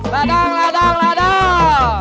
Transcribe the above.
ladang ladang ladang